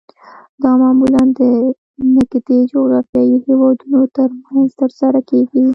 دا معمولاً د نږدې جغرافیایي هیوادونو ترمنځ ترسره کیږي